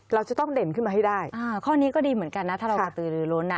เราจะต้องเด่นขึ้นมาให้ได้ข้อนี้ก็ดีเหมือนกันนะถ้าเรากระตือลือล้นนะ